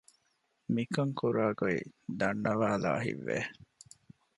މިކަން ކުރާގޮތް ދަންނަވައިލާ ހިތްވެ